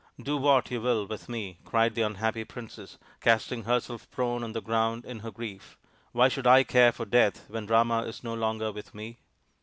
" Do what you will with me," cried the unhappy princess, casting herself prone upon the ground in her grief. " Why should I care for death when Rama is no longer with me